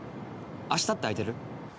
明日って空いてる？